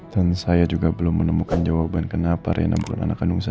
dan saya juga belum menemukan jawaban kenapa rena bukan anak kandung saya